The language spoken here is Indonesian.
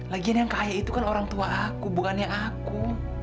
lagian yang kaya itu kan orang tua aku bukannya aku